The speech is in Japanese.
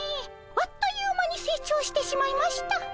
あっという間に成長してしまいました。